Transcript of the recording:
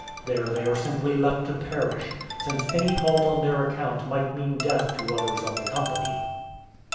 There they are simply left to perish, since any halt on their account might mean death to others of the company.